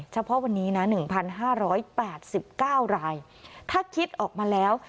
เฉพาะวันนี้น่ะหนึ่งพันห้าร้อยแปดสิบเก้ารายถ้าคิดออกมาแล้ว